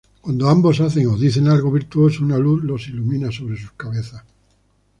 Cuando ambos hacen o dicen algo virtuoso una luz los ilumina sobre sus cabezas.